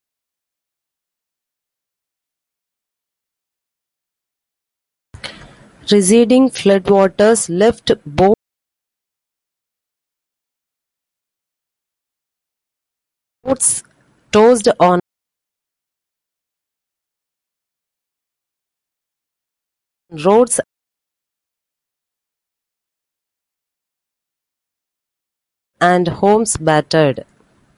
Receding floodwaters left boats tossed on roads and homes battered.